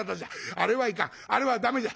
あれはいかんあれは駄目じゃ。